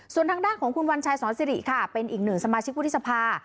ส่วนทางด้านของคุณวัญชัยสอนสิริค่ะเป็นอีกหนึ่งสมาชิกวุฒิสภา